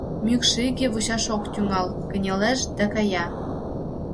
Мӱкш иге вучаш ок тӱҥал, кынелеш да кая.